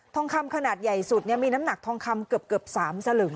ทองคำขนาดใหญ่สุดมีน้ำหนักทองคำเกือบ๓สลึง